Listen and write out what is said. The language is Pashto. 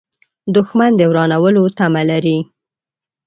دښمن د ورانولو تمه لري